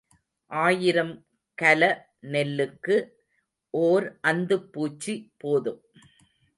ஆயிரம் கல நெல்லுக்கு ஓர் அந்துப் பூச்சி போதும்.